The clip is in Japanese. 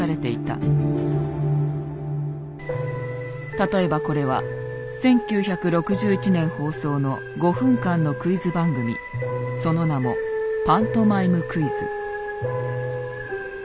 例えばこれは１９６１年放送の５分間のクイズ番組その名も「パントマイムクイズ」。